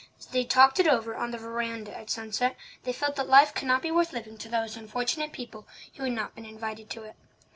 As they talked it over on the verandah at sunset, they felt that life could not be worth living to those unfortunate people who had not been invited to it.